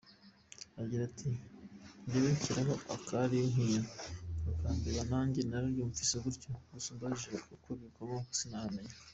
Agira ati “Jyewe nshyiraho Akalimpinya kakambera nanjye naryumvise gutyo gusa umbajije aho bikomoka sinahamenya.